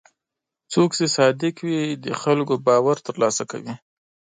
څوک چې صادق وي، د خلکو باور ترلاسه کوي.